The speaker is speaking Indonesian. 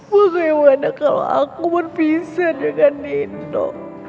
merewetnya kalau aku mau pisah dengan nino